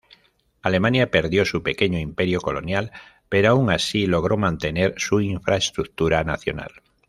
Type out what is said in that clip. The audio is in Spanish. Alemania perdió su pequeño imperio colonial, pero aun así logró mantener su infraestructura nacional.